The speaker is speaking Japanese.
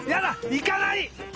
いかない！